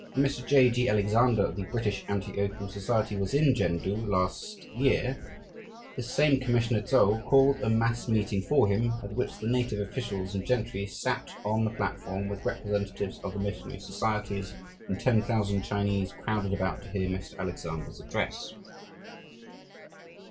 When Mr. J. G. Alexander, of the British Anti Opium Society, was in Chen tu last year, this same Commissioner Tso called a mass meeting for him, at which the native officials and gentry sat on the platform with representatives of the missionary societies, and ten thousand Chinese crowded about to hear Mr. Alexander's address.